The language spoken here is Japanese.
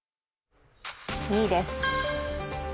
２位です。